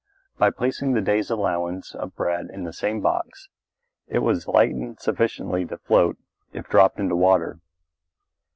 By placing the day's allowance of bread in this same box, it was lightened sufficiently to float if dropped into water.